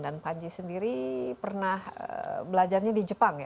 dan panji sendiri pernah belajarnya di jepang ya